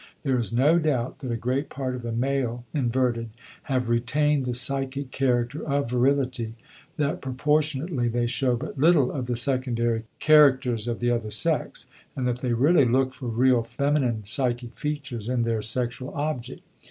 There is no doubt that a great part of the male inverted have retained the psychic character of virility, that proportionately they show but little of the secondary characters of the other sex, and that they really look for real feminine psychic features in their sexual object.